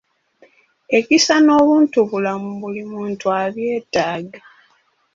Ekisa n'obuntubulamu buli muntu abyetaaga.